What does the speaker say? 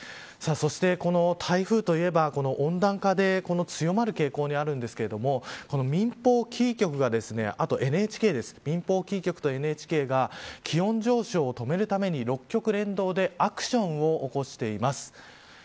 そして、台風といえば温暖化で強まる傾向にあるんですけれど民放キー局とＮＨＫが気温上昇を止めるために６局連動でアクションを起こしています。